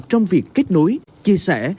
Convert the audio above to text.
trong việc kết nối chia sẻ